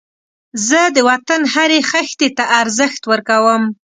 زه د وطن هرې خښتې ته ارزښت ورکوم